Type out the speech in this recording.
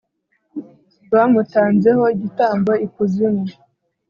Bamutanzeho igitambo ikuzimu